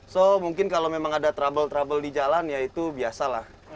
so mungkin kalau memang ada trouble trouble di jalan ya itu biasa lah